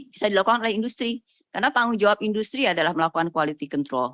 bisa dilakukan oleh industri karena tanggung jawab industri adalah melakukan quality control